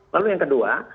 lalu yang kedua